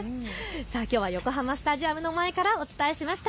きょうは横浜スタジアムの前からお伝えしました。